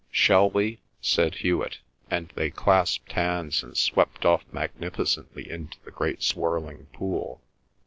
"Shall we?" said Hewet, and they clasped hands and swept off magnificently into the great swirling pool.